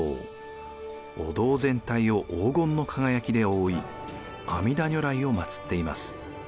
お堂全体を黄金の輝きで覆い阿弥陀如来を祭っています。